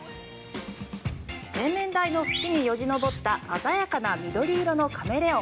洗面台の縁によじ登った鮮やかな緑色のカメレオン。